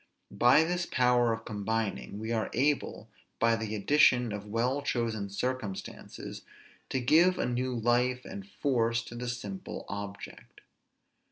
By this power of combining we are able, by the addition of well chosen circumstances, to give a new life and force to the simple object.